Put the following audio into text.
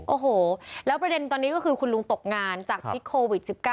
โอ้โหแล้วประเด็นตอนนี้ก็คือคุณลุงตกงานจากพิษโควิด๑๙